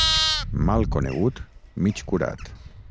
Mal conegut, mig curat.